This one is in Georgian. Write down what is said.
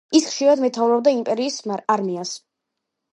ის ხშირად მეთაურობდა იმპერიის არმიას.